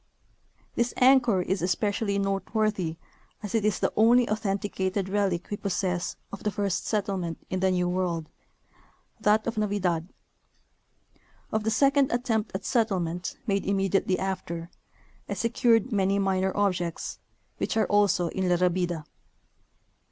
This anchor is especially noteworthy as it is the only authen ticated relic we possess of the first settlement in the New World — that of Navidad. Of the second attempt at settlement, made immediately after, I secured many minor objects, which are also in La Rabida.